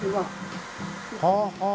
はあはあ。